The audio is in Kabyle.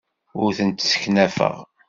Ur tent-sseknafeɣ.